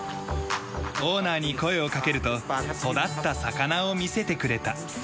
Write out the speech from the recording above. オーナーに声を掛けると育った魚を見せてくれた。